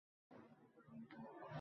Qayta-qayta artgani bilan foydasi yo‘q.